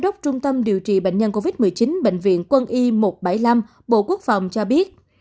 đốc trung tâm điều trị bệnh nhân covid một mươi chín bệnh viện quân y một trăm bảy mươi năm bộ quốc phòng cho biết